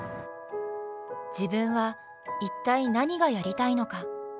自分は一体何がやりたいのか。